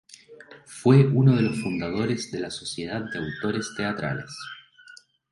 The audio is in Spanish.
Fue uno de los fundadores de la Sociedad de Autores Teatrales.